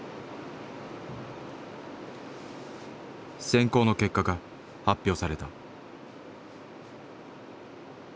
選考の結果が発表された。